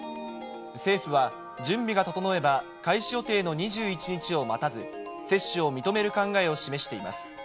政府は準備が整えば開始予定の２１日を待たず、接種を認める考えを示しています。